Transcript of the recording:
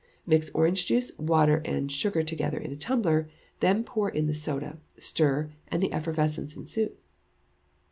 Mix orange juice, water, and sugar together in a tumbler, then put in the soda, stir, and the effervescence ensues.